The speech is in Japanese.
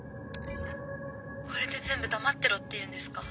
これで全部黙ってろっていうんですか？